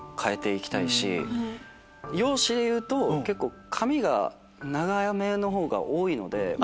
容姿でいうと髪が長めのほうが多いので。